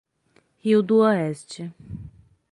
Rio do Oeste